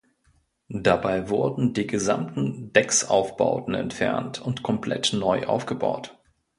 Dabei wurden die gesamten Decksaufbauten entfernt und komplett neu aufgebaut.